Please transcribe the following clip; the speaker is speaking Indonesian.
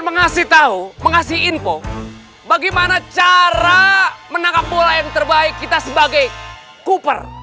mengasih tahu mengasih info bagaimana cara menangkap bola yang terbaik kita sebagai cooper